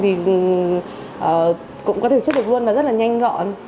thì cũng có thể xuất được luôn và rất là nhanh gọn